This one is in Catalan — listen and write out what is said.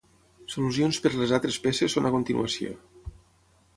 Solucions per les altres peces són a continuació.